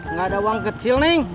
nggak ada uang kecil nih